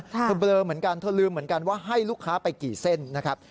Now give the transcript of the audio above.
เบลอเหมือนกันเธอลืมเหมือนกันว่าให้ลูกค้าไปกี่เส้นนะครับ